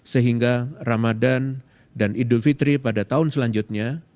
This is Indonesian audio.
sehingga ramadan dan idul fitri pada tahun selanjutnya